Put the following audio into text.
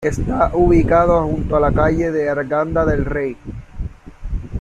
Está ubicada junto a la calle de Arganda del Rey.